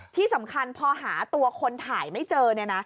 ที่สำคัญพอหาตัวคนถ่ายไม่เจอเนี่ยนะ